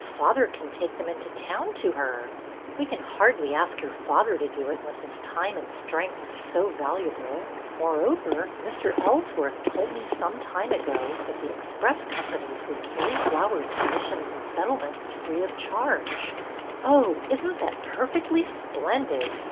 Father can take them into town to her." ''We can hardly ask your father to do it when his time and strength are so valuable. Moreover, Mr. Ellsworth told me some time ago that the express companies would carry flowers to mis sions and settlements free of charge." " Oh, is n't that perfectly splendid